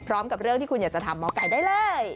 พร้อมกับเรื่องที่คุณอยากจะทำหมอไก่ได้เลย